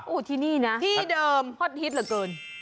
อุ๊ยที่นี่นะพอทิศเหลือเกินที่เดิม